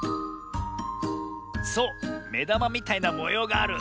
そうめだまみたいなもようがある。